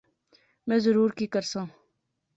میں ضرور کی کرساں